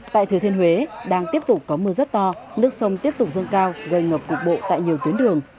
tại thừa thiên huế đang tiếp tục có mưa rất to nước sông tiếp tục dâng cao gây ngập cục bộ tại nhiều tuyến đường